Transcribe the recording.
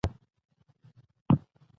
دښمن تل د بدبختۍ خواخوږی وي